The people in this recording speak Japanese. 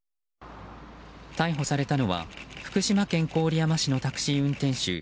逮捕されたのは福島県郡山市のタクシー運転手